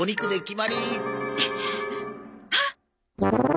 あっ！